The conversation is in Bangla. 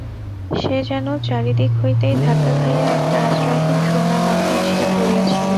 সে যেন চারি দিক হইতেই ধাক্কা খাইয়া একটা আশ্রয়হীন শূন্যের মধ্যে আসিয়া পড়িয়াছিল।